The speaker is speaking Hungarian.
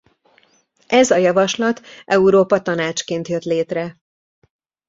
Ez a javaslat Európa Tanácsként jött létre.